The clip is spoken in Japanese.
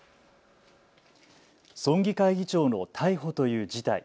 村議会議長の逮捕という事態。